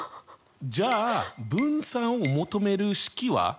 じゃあ分散を求める式は？